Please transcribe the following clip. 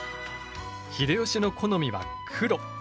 秀吉の好みは黒。